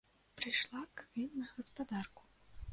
Прыйшла к ім на гаспадарку.